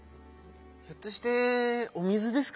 ひょっとしてお水ですか？